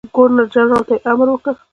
ګورنرجنرال ته یې امر وکړ.